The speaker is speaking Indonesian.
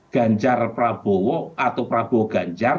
ganjar pranowo atau pranowo ganjar